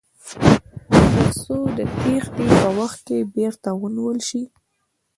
تر څو د تیښتې په وخت کې بیرته ونیول شي.